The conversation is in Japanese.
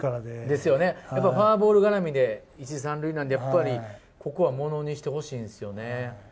ですよね、やっぱフォアボール絡みで一、三塁なんで、やっぱりここはものにしてほしいんですよね。